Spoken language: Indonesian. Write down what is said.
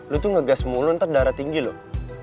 lu tuh ngegas mulu ntar darah tinggi loh